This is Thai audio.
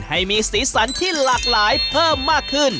ให้มีสีสันที่หลากหลายเพิ่มมากขึ้น